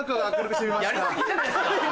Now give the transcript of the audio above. やり過ぎじゃないですか？